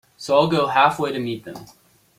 So I'll go halfway to meet them.